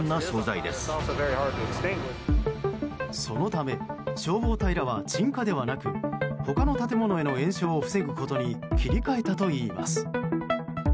そのため、消防隊らは鎮火ではなく他の建物への延焼を防ぐことに切り替えたといいます。